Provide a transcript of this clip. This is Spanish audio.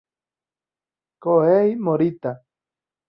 Kohei Morita